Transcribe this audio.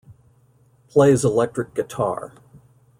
Plays electric guitar.